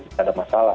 tidak ada masalah